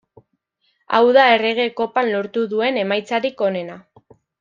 Hau da Errege Kopan lortu duen emaitzarik onena.